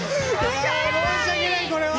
申し訳ないこれは。